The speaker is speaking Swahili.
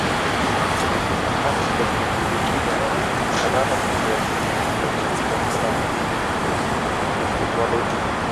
Serikali za Afrika zimeshughulikia sarafu ya kimtandao tofauti